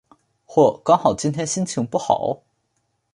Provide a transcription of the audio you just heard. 或刚好今天心情不好？